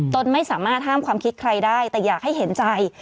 ตนไม่สามารถห้ามความคิดใครได้แต่อยากให้เห็นใจ